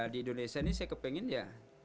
di indonesia ini saya kepengen ya